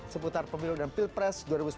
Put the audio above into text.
seputar pemilu dan pilpres